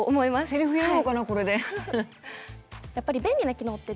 せりふやろうかなこれで。